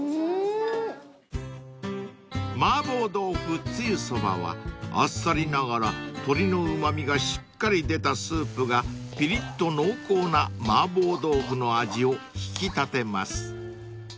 ［麻婆豆腐つゆそばはあっさりながら鶏のうま味がしっかり出たスープがピリッと濃厚なマーボー豆腐の味を引き立てます］